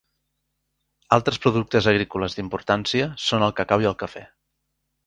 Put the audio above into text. Altres productes agrícoles d'importància són el cacau i el cafè.